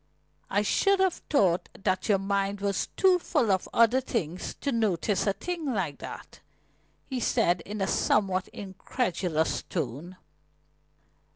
"I should have thought that your mind was too full of other things to notice a thing like that," he said in a somewhat incredulous tone.